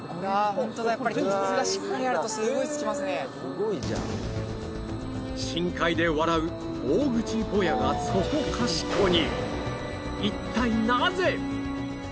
ホントだやっぱり堆積がしっかりあるとすごい着きますねすごいじゃん深海で笑うオオグチボヤがそこかしこに！